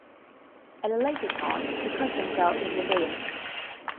At a later time the custom fell into abeyance.